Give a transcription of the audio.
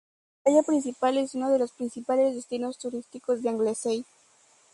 La playa principal es una de los principales destinos turísticos de Anglesey.